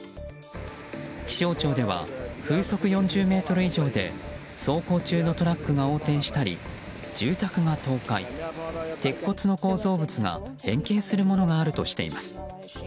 気象庁では風速４０メートル以上で走行中のトラックが横転したり住宅が倒壊、鉄骨の構造物が変形するものがあるとしています。